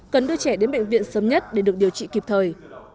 cần đưa trẻ đến bệnh viện sớm nhất để được điều trị kịp thời